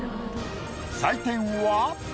採点は。